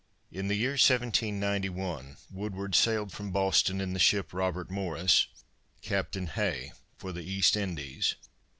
In the year 1791, Woodward sailed from Boston in the ship Robert Morris, Captain Hay, for the East Indies.